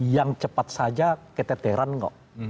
yang cepat saja keteteran kok